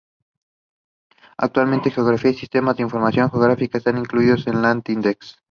Actualmente, "Geografía y Sistemas de Información Geográfica" está incluido en Latindex.